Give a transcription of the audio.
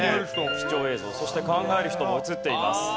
そして『考える人』も映っています。